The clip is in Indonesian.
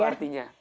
apa tuh artinya